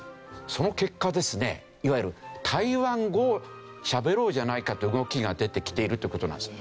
その結果ですねいわゆる台湾語をしゃべろうじゃないかという動きが出てきているという事なんです。